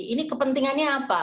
ini kepentingannya apa